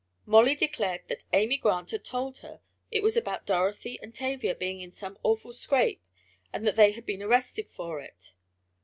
Molly declared that Amy Grant had told her it was about Dorothy and Tavia being in some awful scrape and that they had been arrested for it.